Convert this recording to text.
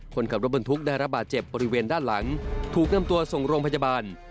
คนขับรถบรรทุกได้ระบาดเจ็บบริเวณด้านหลังถูกนำตัวส่งโรงพยาบาล